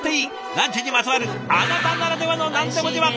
ランチにまつわるあなたならではの何でも自慢。